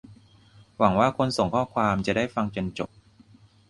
หวังว่าคนส่งข้อความจะได้ฟังจนจบ